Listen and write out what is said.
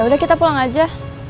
udah kita pulang aja